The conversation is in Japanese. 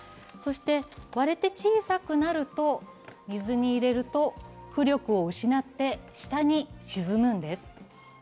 割れて小さくなると水に入れると浮力を失って下に沈むんです。